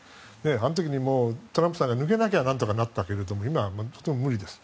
あの時にトランプさんが抜けなきゃ何とかなったけど今はとても無理です。